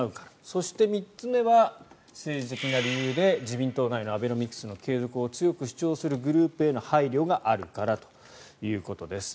そして、３つ目は政治的な理由で自民党内のアベノミクスの継続を強く主張するグループへの配慮があるからということです。